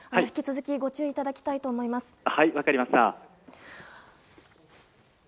引き続きご注意いただきたいと思います。